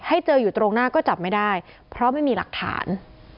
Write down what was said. เจออยู่ตรงหน้าก็จับไม่ได้เพราะไม่มีหลักฐาน